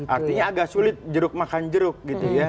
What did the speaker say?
artinya agak sulit jeruk makan jeruk gitu ya